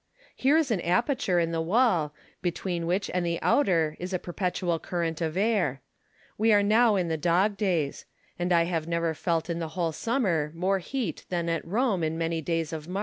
Here is an aperture in the wall, between which and the outer is a perpetual current of air. We are now in the dog days ; and I have never felt in the whole summer more heat than at Rome in many days of March.